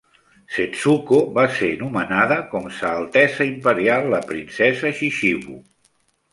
Setsuko va ser nomenada com "Sa Altesa Imperial la Princesa Chichibu".